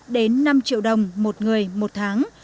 đến năm triệu đồng một người một tháng